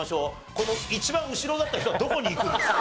この一番後ろだった人はどこに行くんですか？